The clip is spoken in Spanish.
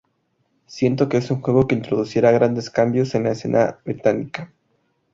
Siento que es un juego que introducirá grandes cambios en la escena británica.